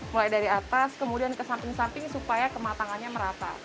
mulai dari atas kemudian ke samping samping supaya kematangannya merata